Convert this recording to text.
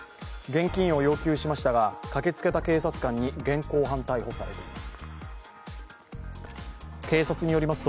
現金を要求しましたが駆けつけた警察官に現行犯逮捕されています。